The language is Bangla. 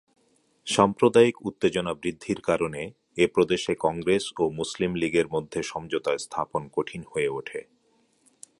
সাম্প্রদায়িক উত্তেজনা বৃদ্ধির কারণে এ প্রদেশে কংগ্রেস ও মুসলিম লীগের মধ্যে সমঝোতা স্থাপন কঠিন হয়ে ওঠে।